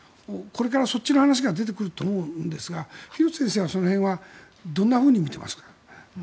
これからそっちの話が出てくると思いますが廣瀬先生はその辺はどんなふうに見ていますか。